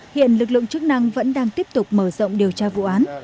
hiện lực lượng chức năng vẫn đang tiếp tục mở rộng điều tra vụ án